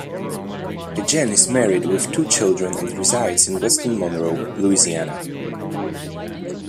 DeJean is married with two children and resides in West Monroe, Louisiana.